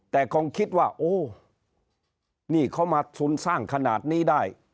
แต่คงคิดว่าโอ้นี่เขามาทุนสร้างขนาดนี้ได้